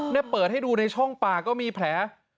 นี่เปิดให้ดูในช่องปากก็มีแผล